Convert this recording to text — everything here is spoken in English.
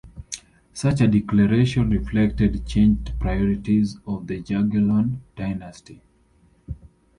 Such a declaration reflected changed priorities of the Jagiellon dynasty.